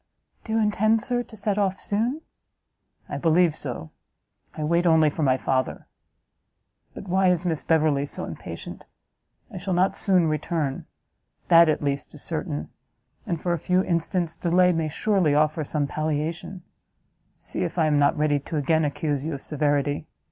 "Do you intend, Sir, to set off soon?" "I believe so; I wait only for my father. But why is Miss Beverley so impatient? I shall not soon return; that, at least, is certain, and, for a few instants delay, may surely offer some palliation; See! if I am not ready to again accuse you of severity!